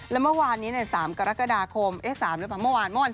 แล้วเมื่อวานนี้เนี่ยสามกรกฎาคมเอ้ย๓เมื่อวานน่ะ